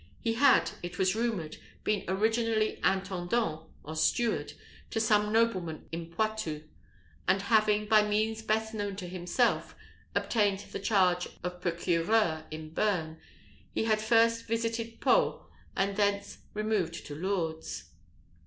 He had, it was rumoured, been originally intendant, or steward, to some nobleman in Poitou, and having, by means best known to himself, obtained the charge of procureur in Bearn, he had first visited Pau, and thence removed to Lourdes.